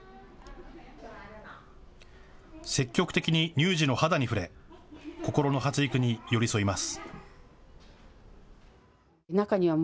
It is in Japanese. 積極的に乳児の肌に触れ心の発育に寄り添います。